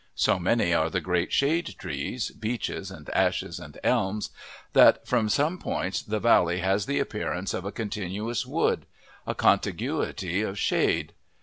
So many are the great shade trees, beeches and ashes and elms, that from some points the valley has the appearance of a continuous wood a contiguity of shade.